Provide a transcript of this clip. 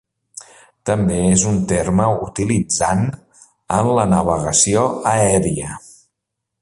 També és un terme utilitzant en la navegació aèria.